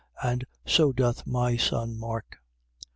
And so doth my son, Mark.